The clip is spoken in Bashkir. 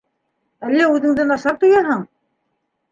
Әллә үҙеңде насар тояһың?